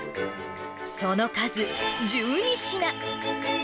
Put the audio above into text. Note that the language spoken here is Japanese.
その数１２品。